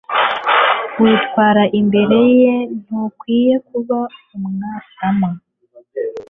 witwara imbere ye ntukwiye kuba umwasama